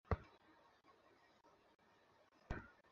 শেখানোর সময় সবচেয়ে বেশি শেখা যায়, সবচেয়ে বেশি আনন্দ পাওয়া যায়।